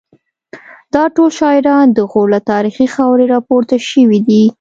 دا ټول شاعران د غور له تاریخي خاورې راپورته شوي دي